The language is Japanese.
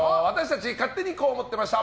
勝手にこう思ってました！